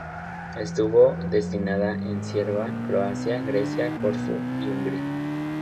Estuvo destinada en Serbia, Croacia, Grecia, Corfú y Hungría.